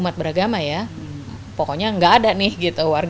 umat beragama ya pokoknya nggak ada nih gitu